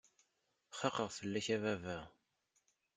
Xaqeɣ fell-ak a baba!